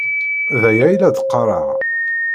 D aya i la d-qqareɣ.